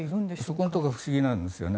そこのところが不思議なんですよね。